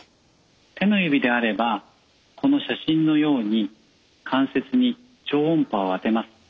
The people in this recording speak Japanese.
手の指であればこの写真のように関節に超音波を当てます。